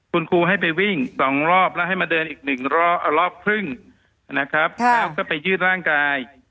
คุณครูให้ไปวิ่ง๒รอบแล้วให้มาเดินอีก๑รอบครึ่งนะครับแล้วก็ไปยืดร่างกาย